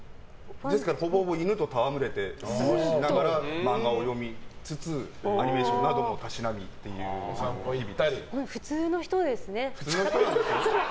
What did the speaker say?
ですからほぼほぼ犬と戯れながら漫画を読みつつアニメーションなどを普通の人ですね。